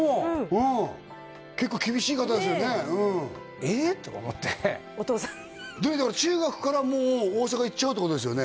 うん結構厳しい方ですよねええ？とか思ってお父さん中学からもう大阪行っちゃうってことですよね？